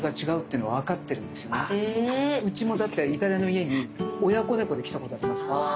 うちもだってイタリアの家に親子猫で来たことあります。